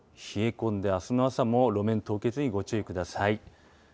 冷え込んで、あすの朝も路面凍結にご注意ください。